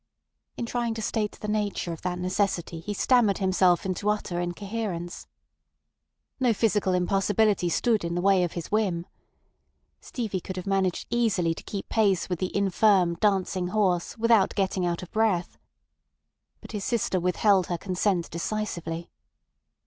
In trying to state the nature of that necessity he stammered himself into utter incoherence. No physical impossibility stood in the way of his whim. Stevie could have managed easily to keep pace with the infirm, dancing horse without getting out of breath. But his sister withheld her consent decisively.